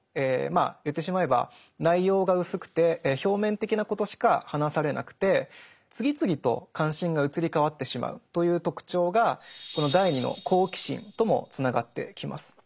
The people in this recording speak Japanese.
まあ言ってしまえば内容が薄くて表面的なことしか話されなくて次々と関心が移り変わってしまうという特徴がこの第２の「好奇心」ともつながってきます。